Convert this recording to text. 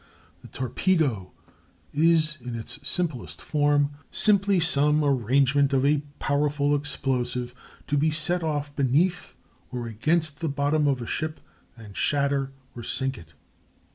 The torpedo is, in its simplest form, simply some arrangement of a powerful explosive to be set off beneath or against the bottom of a ship, and shatter or sink it.